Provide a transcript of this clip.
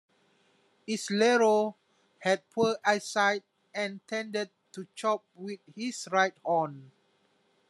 Islero had poor eyesight and tended to chop with his right horn.